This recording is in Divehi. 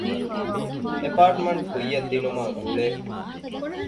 އެޕާޓްމަންޓް ކުއްޔަށް ދިނުމާ ގުޅޭ